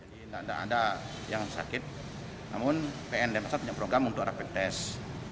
tidak ada yang sakit namun pn denpasar punya program untuk rapid test